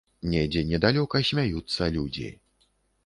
Недзе недалёка смяюцца людзі.